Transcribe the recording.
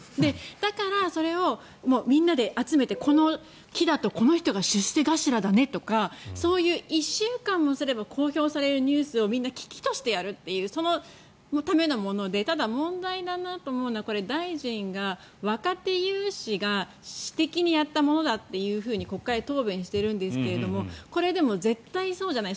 だからそれをみんなで集めてこの期だとこの人が出世頭だねとかそういう１週間もすれば公表されるニュースを喜々としてやるそのためのものでただ、問題だなと思うのは大臣が、若手有志が私的にやったものだと国会答弁してるんですがこれはでも絶対にそうじゃない。